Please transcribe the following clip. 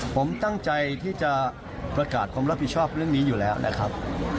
ผมตั้งใจที่จะประกาศความรับผิดชอบเรื่องนี้อยู่แล้วนะครับ